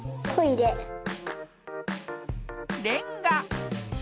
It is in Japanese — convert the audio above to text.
レンガ。